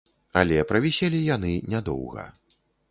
Але правіселі яны нядоўга.